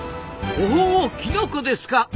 おおきのこですか！